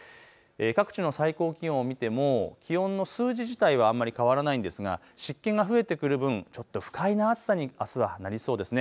各地の最高気温を見ても気温の数字自体は変わらないんですが湿気が増えてくる分不快な暑さにあすはなりそうです。